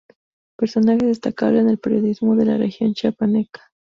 Personaje destacable en el periodismo de la región chiapaneca.